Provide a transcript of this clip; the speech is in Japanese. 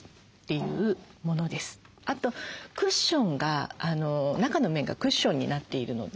あとクッションが中の面がクッションになっているので。